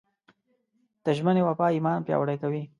د ژمنې وفا ایمان پیاوړی کوي.